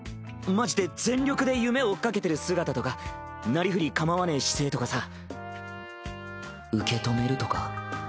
マジで全力で夢追っかけてる姿とかなりふり構わねぇ姿勢とかさ。